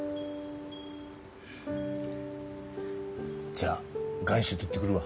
じゃあ願書取ってくるわ。